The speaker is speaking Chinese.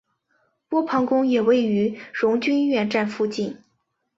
波旁宫也位于荣军院站附近。